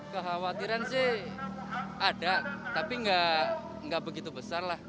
kekhawatiran sih ada tapi nggak begitu besar lah